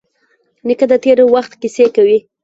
نیکه د تېر وخت کیسې کوي.